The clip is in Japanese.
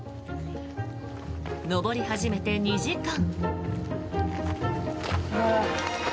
登り始めて２時間。